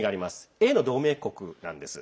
Ａの同盟国なんです。